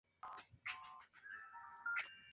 En este condado está prohibida la venta de alcohol.